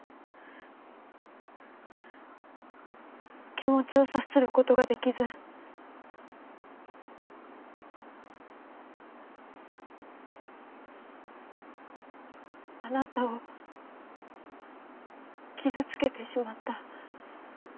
気持ちを察することができずあなたを傷つけてしまった。